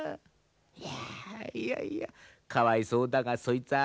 いやいやいやかわいそうだがそいつは無理だ。